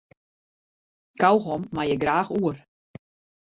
Kaugom mei ik graach oer.